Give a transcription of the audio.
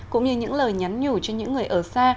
cũng như những lời nhắn nhủ cho những người ở xa